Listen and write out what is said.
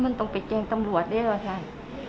มันต้องไปเจ็นตำรวจได้หรือไง